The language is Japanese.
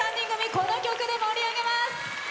この曲で盛り上げます。